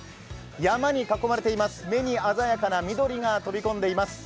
山に囲まれています、目に鮮やかな緑が飛び込んできます。